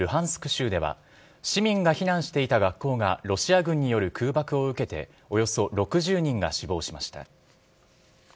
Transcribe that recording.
州では、市民が避難していた学校がロシア軍による空爆を受けて、およそ６０人が死亡しました。